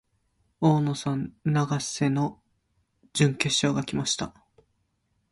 大野さん、永瀬の準決勝が来ました。